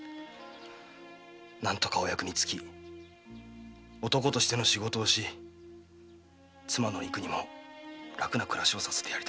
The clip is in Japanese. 何とかお役に就き男としての仕事をし妻の郁にも楽な暮らしをさせてやりたかった。